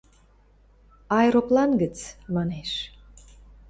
— Аэроплан гӹц, — манеш.